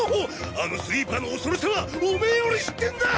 あのスリーパーの恐ろしさはオメエより知ってんだ！